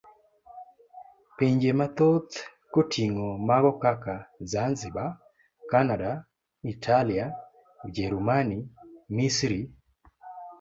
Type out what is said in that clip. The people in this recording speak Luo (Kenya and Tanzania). Pinje mathoth koting'o mago kaka Zanzibar, Cananda, Italia, Ujerumani, Misri.